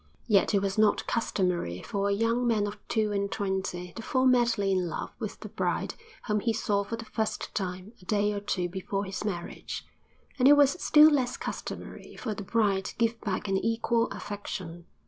Yet it was not customary for a young man of two and twenty to fall madly in love with the bride whom he saw for the first time a day or two before his marriage, and it was still less customary for the bride to give back an equal affection.